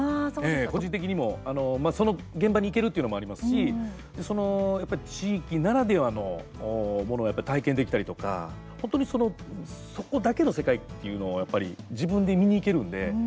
個人的にも、その現場に行けるっていうのもありますしその地域ならではのものを体験できたりとか、本当にそこだけの世界っていうのをやっぱり自分で見に行けるんで。